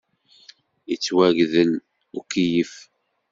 Yettwagdel ukeyyef.